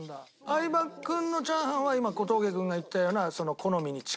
相葉君のチャーハンは今小峠君が言ったような好みに近いという。